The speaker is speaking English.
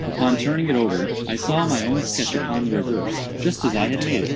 Upon turning it over, I saw my own sketch upon the reverse, just as I had made it.